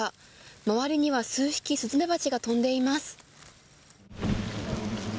周りには数匹、スズメバチが飛んでいます。